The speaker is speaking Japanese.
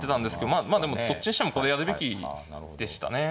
まあでもどっちにしてもこれやるべきでしたね。